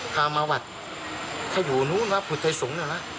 พามาวัดถ้าอยู่นู้นนะพุทธไทยสงฆ์เนี่ยล่ะ